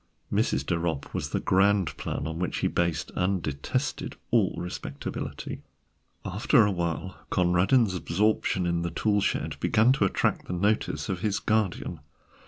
Mrs. de Ropp was the ground plan on which he based and detested all respectability. After a while Conradin's absorption in the tool shed began to attract the notice of his guardian.